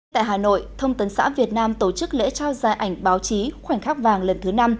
tại hà nội thông tấn xã việt nam tổ chức lễ trao dài ảnh báo chí khoảnh khắc vàng lần thứ năm